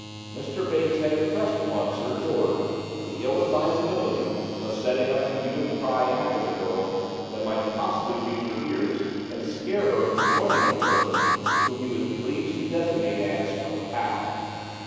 Mr. Bates had impressed upon Sir George the ill advisability of setting up a hue and cry after the girl that might possibly reach her ears and scare her from joining the person whom he was pleased to designate as her "pal."